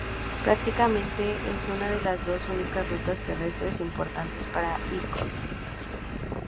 Prácticamente, es una de las dos únicas rutas terrestres importantes para Iquitos.